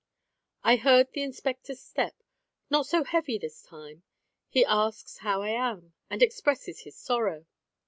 I hear the Inspector's step, not so heavy this time. He asks how I am, and expresses his sorrow.